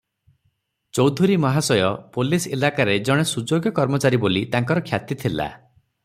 ଚୌଧୁରୀ ମହାଶୟ ପୋଲିସ ଇଲାକାରେ ଜଣେ ସୁଯୋଗ୍ୟ କର୍ମଚାରୀ ବୋଲି ତାଙ୍କର ଖ୍ୟାତି ଥିଲା ।